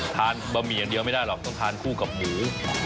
บะหมี่อย่างเดียวไม่ได้หรอกต้องทานคู่กับหมู